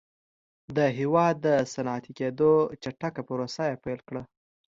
د هېواد د صنعتي کېدو چټکه پروسه یې پیل کړه